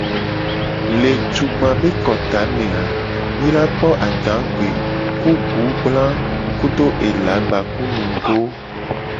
Le tugba be kota me a, mi la kpo adagbe ku gbugbla kudo ela gbakudo nugo.